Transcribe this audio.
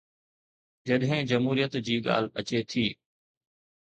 جڏهن جمهوريت جي ڳالهه اچي ٿي.